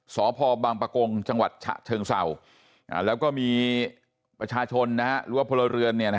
สพบังปะกงจังหวัดฉะเชิงเศร้าแล้วก็มีประชาชนหรือว่าพลเรือน